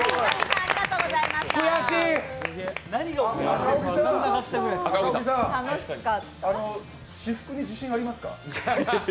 赤荻さん、私服に自信ありますか？